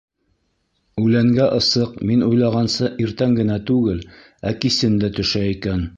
Үләнгә ысыҡ, мин уйлағанса иртән генә түгел, ә кисен дә төшә икән.